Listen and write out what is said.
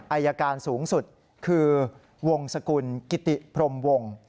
อายการสูงสุดคือวงสกุลกิติพรมวง